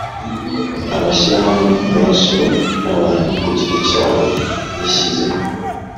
amashyirahamwe menshi n'abantu ku giti cyabo bishyize